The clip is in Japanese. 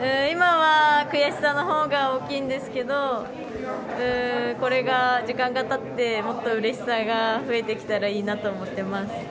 今は悔しさのほうが大きいんですけどもこれが、時間がたってもっとうれしさが増えてきたらいいなと思っています。